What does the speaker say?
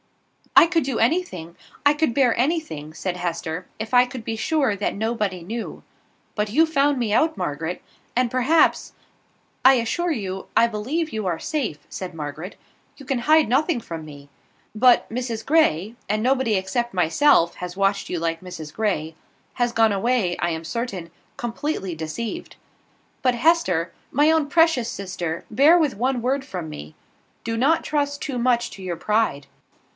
"I could do anything, I could bear anything," said Hester, "if I could be sure that nobody knew. But you found me out, Margaret, and perhaps " "I assure you, I believe you are safe," said Margaret. "You can hide nothing from me. But, Mrs Grey and nobody except myself, has watched you like Mrs Grey has gone away, I am certain, completely deceived. But, Hester! my own precious sister, bear with one word from me! Do not trust too much to your pride."